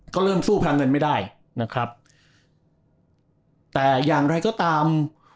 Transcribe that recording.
ก็เริ่มสู้แพรมเงินไม่ได้นะครับแต่อย่างไรก็ตาม